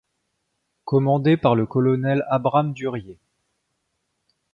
Commandé par le Colonel Abram Duryée.